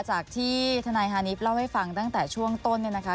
จากที่ทนายฮานิสเล่าให้ฟังตั้งแต่ช่วงต้นเนี่ยนะคะ